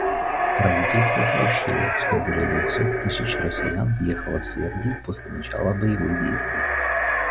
Правительство сообщило, что более двухсот тысяч россиян въехало в Сербию после начала боевых действий